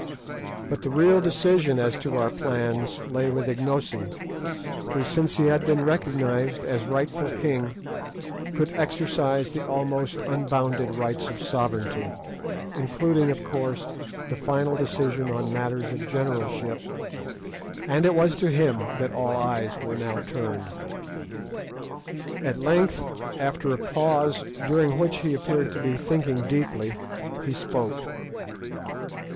But the real decision as to our plans lay with Ignosi, who, since he had been recognised as rightful king, could exercise the almost unbounded rights of sovereignty, including, of course, the final decision on matters of generalship, and it was to him that all eyes were now turned. At length, after a pause, during which he appeared to be thinking deeply, he spoke.